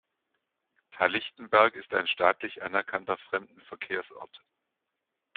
Thallichtenberg ist ein staatlich anerkannter Fremdenverkehrsort.